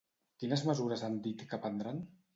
Quines mesures han dit que prendran?